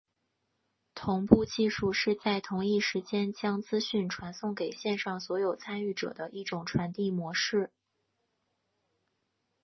同步技术是在同一时间将资讯传送给线上所有参与者的一种传递模式。